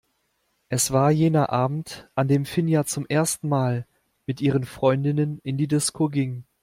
Es war jener Abend, an dem Finja zum ersten Mal mit ihren Freundinnen in die Disco ging.